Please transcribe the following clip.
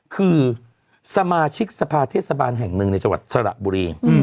คือสมาชิกสภาเทศบาลแห่งหนึ่งในจังหวัดสระบุรี